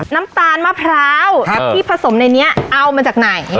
น้ำตาลมะพร้าวที่ผสมในนี้เอามาจากไหน